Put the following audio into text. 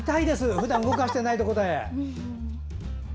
ふだん動かしていないところで。